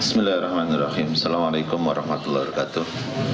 bismillahirrahmanirrahim assalamualaikum warahmatullahi wabarakatuh